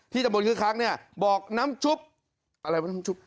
พี่จับมนต์คึกคักเนี่ยบอกน้ำชุบอะไรวะน้ำชุบ